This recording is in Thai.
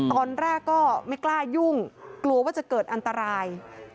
ตอนแรกก็ไม่กล้ายุ่งกลัวว่าจะเกิดอันตราย